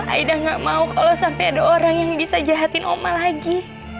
aida gak mau kalau sampai ada orang yang bisa jahatin oma lagi